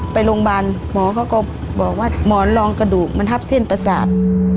ไปโรงพยาบาลหมอเขาก็บอกว่าหมอนรองกระดูกมันทับเส้นประสาท